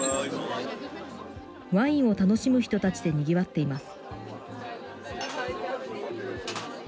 ワインを楽しむ人たちでにぎわっています。